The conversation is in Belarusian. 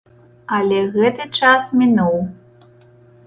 Але гэты час мінуў.